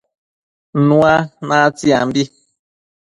Nua natsiambi